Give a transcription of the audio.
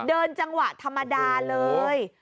เดินจังหวะธรรมดาเลย